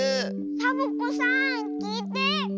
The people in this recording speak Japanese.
サボ子さんきいて。